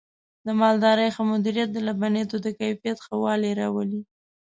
د مالدارۍ ښه مدیریت د لبنیاتو د کیفیت ښه والی راولي.